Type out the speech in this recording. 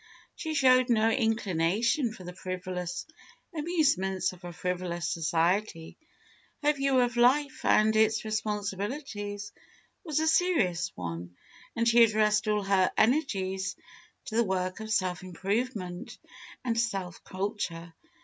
She showed no inclination for the frivolous amusements of a frivolous society. Her view of life and its responsibilities was a serious one, and she addressed all her energies to the work of self improvement and self culture.